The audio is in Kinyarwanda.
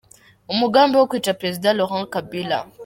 Umugambi wo kwica President Laurent Kabila